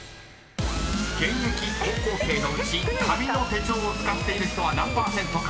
［現役高校生のうち紙の手帳を使っている人は何％か］